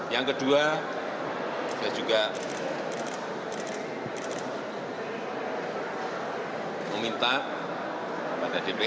yang kedua saya juga meminta kepada dpr